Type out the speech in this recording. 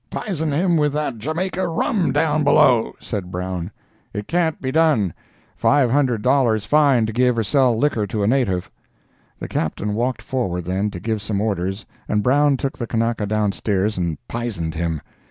"Pison him with that Jamaica rum down below," said Brown. "It can't be done—five hundred dollars fine to give or sell liquor to a native." The Captain walked forward then to give some orders, and Brown took the Kanaka down stairs and "pisoned" him.